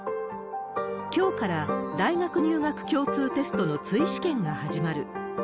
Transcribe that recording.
きょうから大学入学共通テストの追試験が始まる。